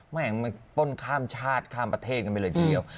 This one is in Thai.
มันป้นข้ามชาติข้ามประเทศกันไปเลยทีเดียว